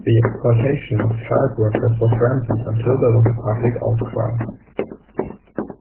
The exploitation of child workers was rampant until there was a public outcry.